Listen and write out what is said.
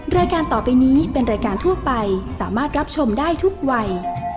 รายการต่อไปนี้เป็นรายการทั่วไปสามารถรับชมได้ทุกวัย